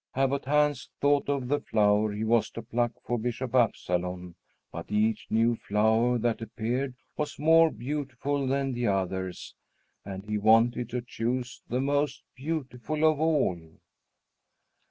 Abbot Hans thought of the flower he was to pluck for Bishop Absalon; but each new flower that appeared was more beautiful than the others, and he wanted to choose the most beautiful of all.